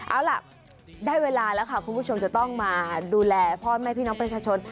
เอาล่ะได้เวลาแล้วค่ะคุณผู้ชมจะต้องมาดูแลพ่อแม่พี่น้องประชาชน